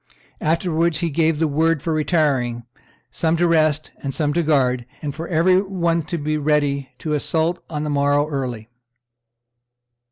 Afterwards he gave the word for retiring, some to rest, and some on guard, and for every one to be ready to assault on the morrow early. ...